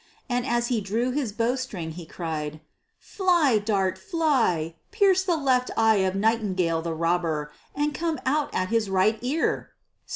And as he drew his bow string he cried, "Fly, dart, fly! Pierce the left eye of Nightingale the Robber, and come out at his right ear."